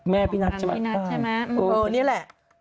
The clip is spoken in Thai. แม่พี่นัทใช่ไหม